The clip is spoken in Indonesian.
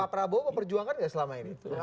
pak prabowo mau berjuangkan nggak selama ini